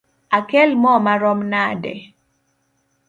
Akel moo marom nade?